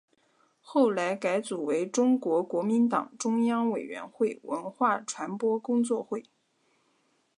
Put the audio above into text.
后来改组为中国国民党中央委员会文化传播工作会。